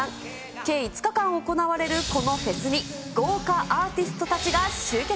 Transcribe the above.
計５日間行われるこのフェスに豪華アーティストたちが集結。